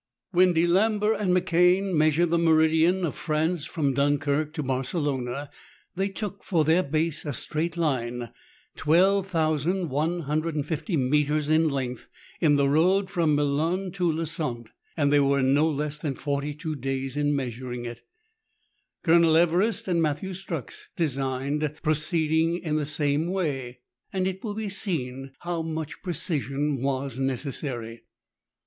When Delambre and Mechain measured the meridian of France from Dunkirk to Barcelona, they took for their base a straight line, 12,150 metres in length, in the road from Melun to Lieusaint, and they were no less than 4a days in measuring it. Colonel Everest and Matthew Strux designed proceeding in the same way, and it will be seen how much precision was necessary.